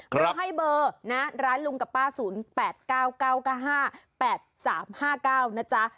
เพื่อให้เบอร์ร้านลุงกับป้า๐๘๙๙๙๕๘๓๕๙